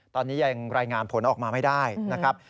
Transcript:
ตอนนี้ยังรายงานผลออกมาไม่ได้นะครับ